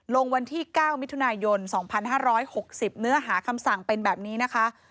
วันที่๙มิถุนายน๒๕๖๐เนื้อหาคำสั่งเป็นแบบนี้นะคะ